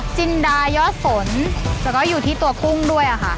จินดายอดฝนแล้วก็อยู่ที่ตัวกุ้งด้วยค่ะ